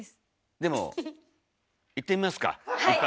でもいってみますか一発。